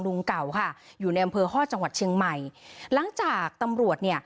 เก่าค่ะอยู่ในอำเภอฮอตจังหวัดเชียงใหม่หลังจากตำรวจเนี่ย